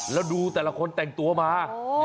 แล้วดูแต่ละคนแต่งตัวมา